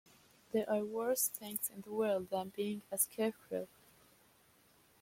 There are worse things in the world than being a Scarecrow.